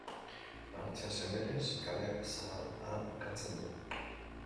Gartzea Semenez kaleak zeharkatzen du.